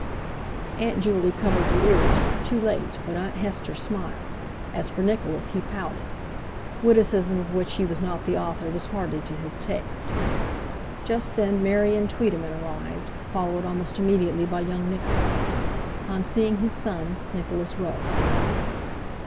Aunt Juley covered her ears, too late, but Aunt Hester smiled; as for Nicholas, he pouted—witticism of which he was not the author was hardly to his taste. Just then Marian Tweetyman arrived, followed almost immediately by young Nicholas. On seeing his son, Nicholas rose.